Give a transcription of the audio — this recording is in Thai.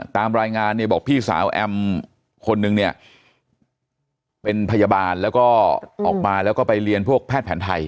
ตามรายงานเนี่ยบอกพี่สาวแอมคนนึงเนี่ยเป็นพยาบาลแล้วก็ออกมาแล้วก็ไปเรียนพวกแพทย์แผนไทย